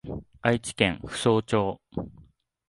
愛知県扶桑町